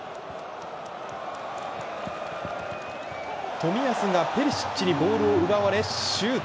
冨安がペリシッチにボールを奪われシュート。